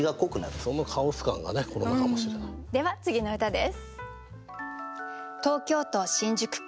では次の歌です。